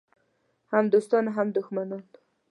هم دوستان او هم دښمنان.